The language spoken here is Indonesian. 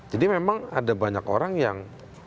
jadi memang ada banyak orang yang